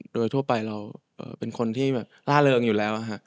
โดยทั่วไปเราเป็นคนที่แบบล่าเริงอยู่แล้ว